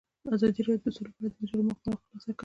ازادي راډیو د سوله په اړه د مجلو مقالو خلاصه کړې.